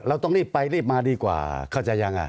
ต้องรีบไปรีบมาดีกว่าเข้าใจยังไง